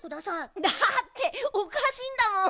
だっておかしいんだもん。